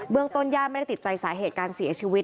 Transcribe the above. เบื้องต้นยาไม่ได้ติดใจสาเหตุการเสียชีวิต